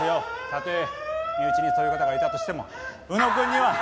たとえ身内にそういう方がいたとしても浮野くんには。